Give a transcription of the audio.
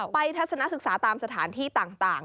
ทัศนศึกษาตามสถานที่ต่าง